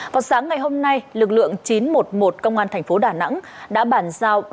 vào sáng ngày hôm nay lực lượng chín trăm một mươi một công an thành phố đà nẵng đã bàn giao